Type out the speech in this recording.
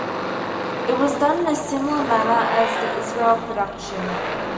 It was done in a similar manner as the Israel production.